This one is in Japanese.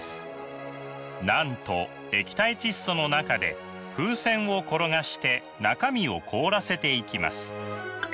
なんと液体窒素の中で風船を転がして中身を凍らせていきます。